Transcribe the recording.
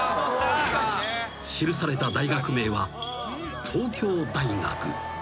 ［記された大学名は東京大学］